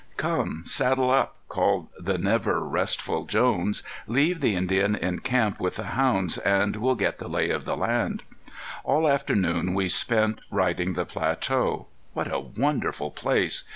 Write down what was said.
"Come, saddle up," called the never restful Jones. "Leave the Indian in camp with the hounds, and we'll get the lay of the land." All afternoon we spent riding the plateau. What a wonderful place!